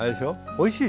おいしい。